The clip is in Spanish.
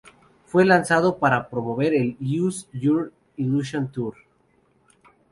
Fue lanzado para promover el Use Your Illusion Tour.